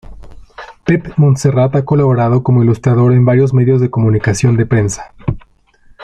Pep Montserrat ha colaborado como ilustrador en varios medios de comunicación de prensa.